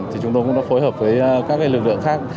thì chúng tôi cũng đã phối hợp với các lực lượng khác